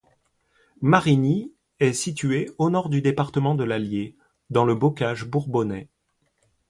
Marigny est située au nord du département de l'Allier, dans le bocage bourbonnais.